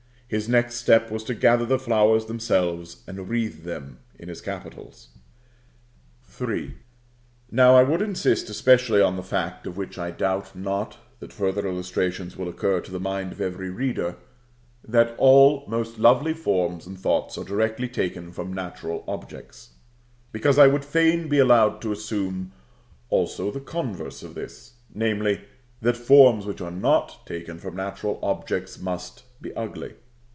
His next step was to gather the flowers themselves, and wreathe them in his capitals. III. Now, I would insist especially on the fact, of which I doubt not that further illustrations will occur to the mind of every reader, that all most lovely forms and thoughts are directly taken from natural objects; because I would fain be allowed to assume also the converse of this, namely, that forms which are not taken from natural objects must be ugly.